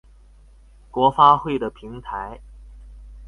國發會的平台